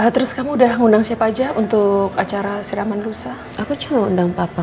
terus kamu udah ngundang siapa aja untuk acara siraman rusa aku cuma undang papa